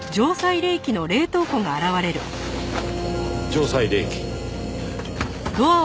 「城西冷機」。